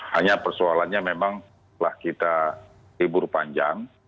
hanya persoalannya memang setelah kita libur panjang